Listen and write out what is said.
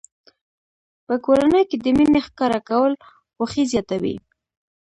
په کورنۍ کې د مینې ښکاره کول خوښي زیاتوي.